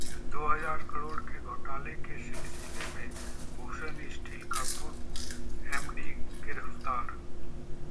दो हजार करोड़ के घोटाले के सिलसिले में भूषण स्टील का पूर्व एमडी गिरफ्तार